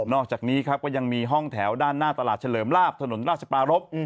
อกจากนี้ครับก็ยังมีห้องแถวด้านหน้าตลาดเฉลิมลาบถนนราชปารพ